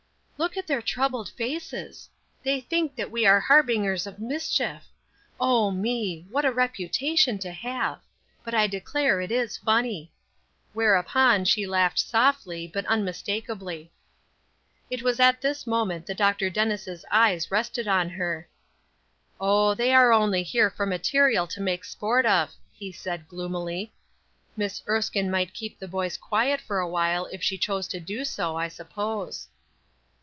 "Look at their troubled faces; they think that we are harbingers of mischief. Oh me! What a reputation to have! But I declare it is funny." Whereupon she laughed softly, but unmistakably. It was at this moment that Dr. Dennis' eyes rested on her. "Oh, they are only here for material to make sport of," he said, gloomily; "Miss Erskine might keep the boys quiet for awhile if she chose to do so, I suppose."